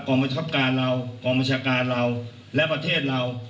กรรมชัพการเรากรรมชาการเราและประเทศเรา